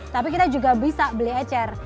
tapi kita juga bisa beli ecer